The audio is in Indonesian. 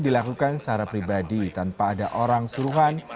dilakukan secara pribadi tanpa ada orang suruhan